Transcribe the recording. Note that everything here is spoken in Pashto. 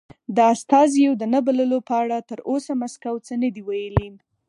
د استازیو د نه بللو په اړه تر اوسه مسکو څه نه دې ویلي.